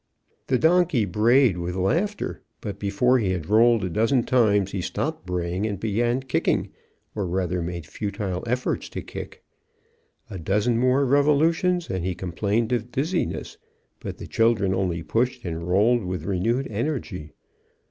The donkey brayed with laughter; but before he had rolled a dozen times he stopped braying and began kicking, or rather made futile efforts to kick. A dozen more revolutions and he complained of dizziness, but the children only pushed and rolled with renewed energy.